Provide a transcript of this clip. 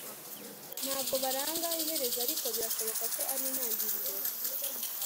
ntabwo baranga iherezo ariko birashoboka ko ari intangiriro